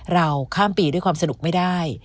เราข้ามปีด้วยความสนุกไม่ได้